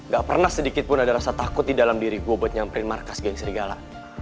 gak pernah sedikit pun ada rasa takut di dalam diri gue buat nyamperin markas gang serigala